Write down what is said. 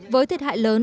với thiệt hại lớn